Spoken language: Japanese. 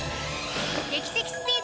劇的スピード！